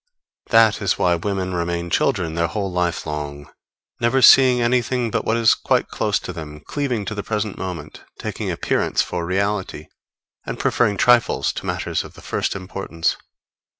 That is why women remain children their whole life long; never seeing anything but what is quite close to them, cleaving to the present moment, taking appearance for reality, and preferring trifles to matters of the first importance.